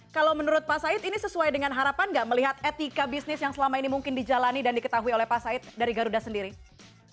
kalau menurut pak said ini sesuai dengan harapan gak melihat etika bisnis yang selama ini mungkin dijalani dan diketahui oleh pak said dari garuda sendiri